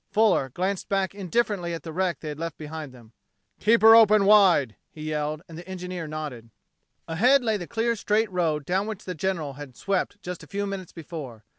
Fuller glanced back indifferently at the wreck they had left behind them. "Keep her open wide!" he yelled, and the engineer nodded. Ahead lay the clear straight road down which the General had swept just a few minutes before.